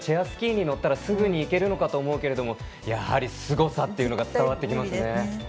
スキーに乗ったらすぐにいけるのかと思うけどやはりすごさというのが伝わってきますね。